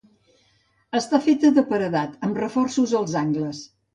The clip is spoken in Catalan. Està feta de paredat amb reforços als angles.